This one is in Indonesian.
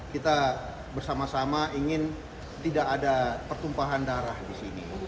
kita bersama sama ingin tidak ada pertumpahan darah di sini